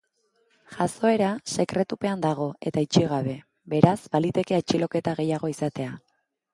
Jazoera sekretupean dago eta itxi gabe, beraz, baliteke atxiloketa gehiago izatea.